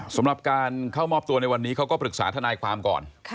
สำหรับการเข้ามอบตัวในวันนี้เขาก็ปรึกษาทนายความก่อน